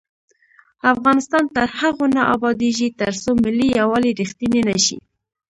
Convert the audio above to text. افغانستان تر هغو نه ابادیږي، ترڅو ملي یووالی رښتینی نشي.